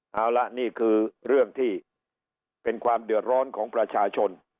เอาละนี่คือเรื่องที่เป็นความเดือดร้อนของประชาชน